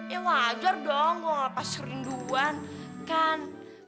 ya wajar dong gak apa apa serinduan kan